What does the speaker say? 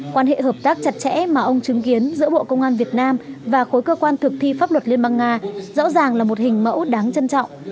quan hệ hợp tác chặt chẽ mà ông chứng kiến giữa bộ công an việt nam và khối cơ quan thực thi pháp luật liên bang nga rõ ràng là một hình mẫu đáng trân trọng